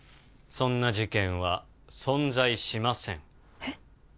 そんな事件は存在しませんえっ？